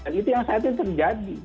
dan itu yang saya hati hati terjadi